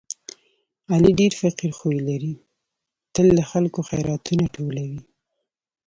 علي ډېر فقیر خوی لري، تل له خلکو خیراتونه ټولوي.